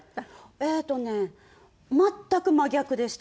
えーっとね全く真逆でした。